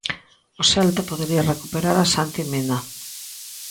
O Celta podería recuperar a Santi Mina.